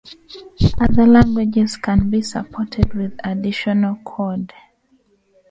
Other languages can be supported with additional code.